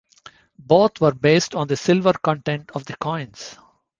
Both were based on the silver content of the coins.